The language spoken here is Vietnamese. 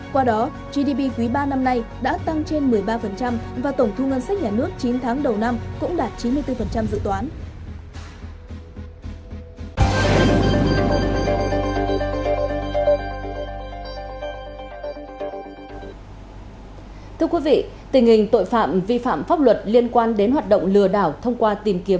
qua đó gdp quý ba năm nay đã tăng trên một mươi ba và tổng thu ngân sách nhà nước chín tháng đầu năm cũng đạt chín mươi bốn dự toán